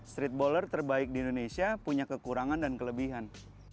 streetballer terbaik di indonesia punya kekurangan dan kelebihan